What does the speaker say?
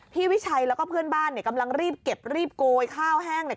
วิชัยแล้วก็เพื่อนบ้านเนี่ยกำลังรีบเก็บรีบโกยข้าวแห้งเนี่ย